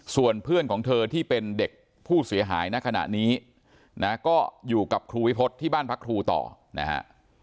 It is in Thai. ส่วนเพื่อนของเธอที่เป็นเด็กผู้เสียหายณขณะนี้นะก็อยู่กับครูวิพฤษที่บ้านพักครูต่อนะฮะ